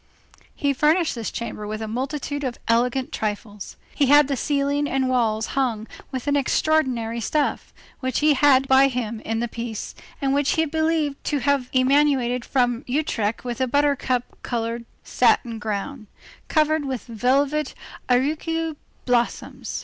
He furnished this chamber with a multitude of elegant trifles. He had the ceiling and walls hung with an extraordinary stuff, which he had by him in the piece, and which he believed to have emanated from Utrecht with a buttercup colored satin ground, covered with velvet auricula blossoms.